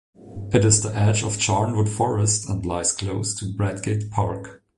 It is on the edge of Charnwood Forest, and lies close to Bradgate Park.